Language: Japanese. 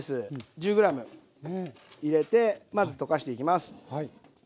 １０ｇ入れてまず溶かしていきます。